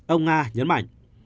ông nga nhấn mạnh